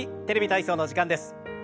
「テレビ体操」の時間です。